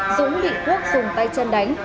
dũng bị quốc dùng tay chân đánh